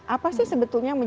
itu untuk duduk bersama bicara